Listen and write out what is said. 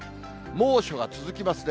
猛暑が続きますね。